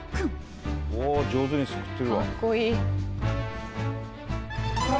上手にすくってるわ。